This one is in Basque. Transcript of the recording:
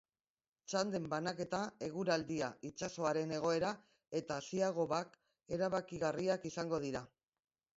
Txanden banaketa, eguraldia, itsasoaren egoera eta ziagobak erabakigarriak izango dira.